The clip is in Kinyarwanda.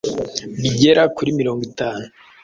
bigera kuri mirongo itanu